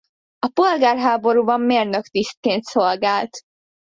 A polgárháborúban mérnök tisztként szolgált.